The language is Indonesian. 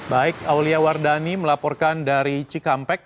baik aulia wardani melaporkan dari cikampek